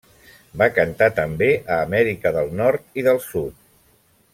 Va cantar també a Amèrica del Nord i del Sud.